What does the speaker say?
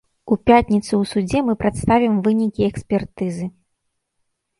У пятніцу ў судзе мы прадставім вынікі экспертызы.